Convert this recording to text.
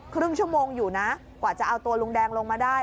ครึ่งชั่วโมงอยู่นะกว่าจะเอาตัวลุงแดงลงมาได้